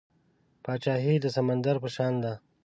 پاچاهي د سمندر په شان ده .